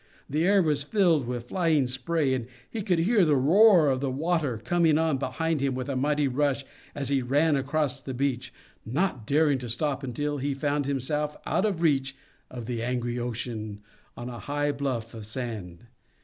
The air was filled with flying spray, and he could hear the roar of the water coming on behind him with a mighty rush as he ran across the beach, not daring to stop until he found himself out of reach of the angry ocean, on a high bluff of sand.